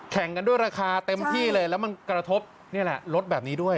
แข่งกันด้วยราคาเต็มที่เลยแล้วมันกระทบนี่แหละรถแบบนี้ด้วย